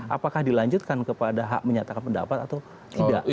apakah dilanjutkan kepada hak menyatakan pendapat atau tidak